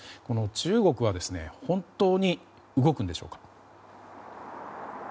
この中国は本当に動くんでしょうか？